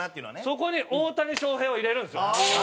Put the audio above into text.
そこに大谷翔平を入れるんですよ。